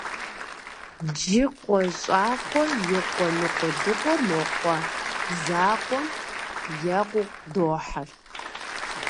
Джыкъуэ щӏакъуэ и къуэ ныкъуэдыкъуэр мо къуэ закъуэм екъуу дохьэр.